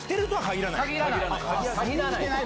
限らない。